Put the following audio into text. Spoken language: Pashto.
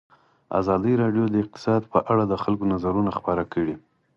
ازادي راډیو د اقتصاد په اړه د خلکو نظرونه خپاره کړي.